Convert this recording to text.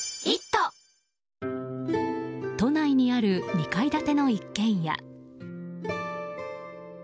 都内にある２階建ての一軒家。